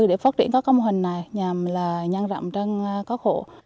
để phát triển các mô hình này nhằm nhân rộng trên các hộ